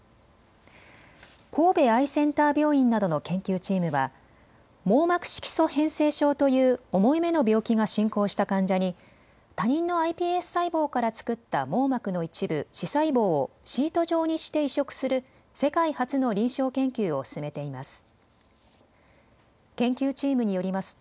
神戸アイセンター病院などの研究チームは網膜色素変性症という重い目の病気が進行した患者に他人のｉＰＳ細胞から作った網膜の一部、視細胞をシート状にして移植する世界初の臨床研究を進めています。